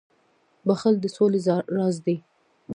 • بخښل د سولي راز دی.